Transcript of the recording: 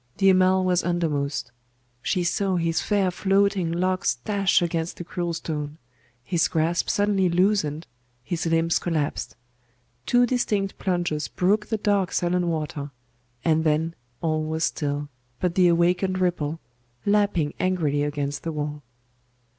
The Amal was undermost.... She saw his fair floating locks dash against the cruel stone. His grasp suddenly loosened, his limbs collapsed; two distinct plunges broke the dark sullen water; and then all was still but the awakened ripple, lapping angrily against the wall.